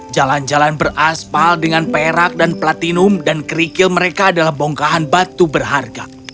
jalan jalan beraspal dengan perak dan platinum dan kerikil mereka adalah bongkahan batu berharga